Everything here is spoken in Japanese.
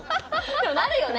でもなるよね。